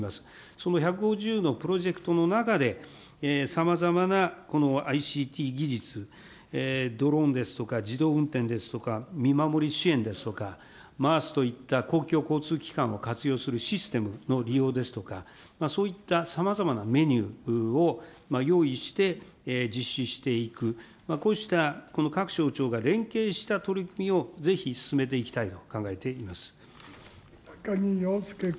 その１５０のプロジェクトの中で、さまざまなこのＩＣＴ技術、ドローンですとか、自動運転ですとか、見守り支援ですとか、ＭａａＳといった公共交通機関を活用するシステムの利用ですとか、そういったさまざまなメニューを用意して実施していく、こうしたこの各省庁が連携した取り組みをぜひ進めていきたいと考高木陽介君。